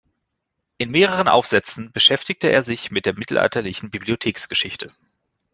In mehreren Aufsätzen beschäftigte er sich mit der mittelalterlichen Bibliotheksgeschichte.